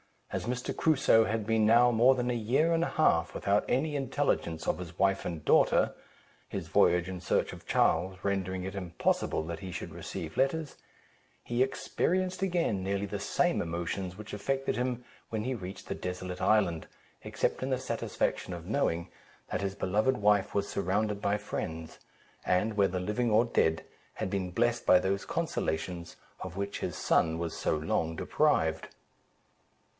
As Mr. Crusoe had been now more than a year and a half without any intelligence of his wife and daughter (his voyage in search of Charles rendering it impossible that he should receive letters), he experienced again nearly the same emotions which affected him when he reached the desolate island, except in the satisfaction of knowing, that his beloved wife was surrounded by friends, and, whether living or dead, had been blessed by those consolations, of which his son was so long deprived.